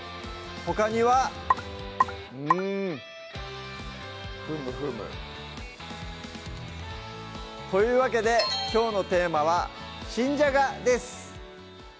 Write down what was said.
ほかにはうんふむふむというわけできょうのテーマは「新じゃが」です